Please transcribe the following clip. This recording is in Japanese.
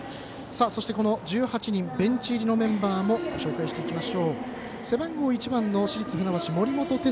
そしてこの１８人、ベンチ入りのメンバーもご紹介します。